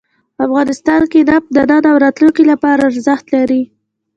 افغانستان کې نفت د نن او راتلونکي لپاره ارزښت لري.